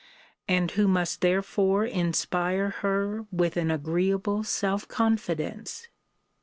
and who must therefore inspire her with an agreeable self confidence.